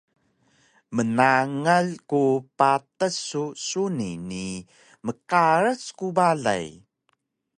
Mnangal ku patas su suni ni mqaras ku balay